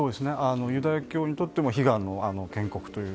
ユダヤ教にとっても悲願の建国という。